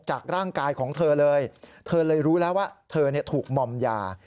จากร่างกายของเธอเลยเธอเลยรู้แล้วว่าเธอถูกมอมยา